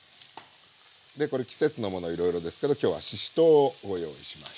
でこれ季節のものいろいろですけど今日はししとうをご用意しました。